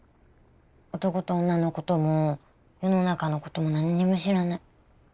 男と女のことも世の中のこともなんにも知らない。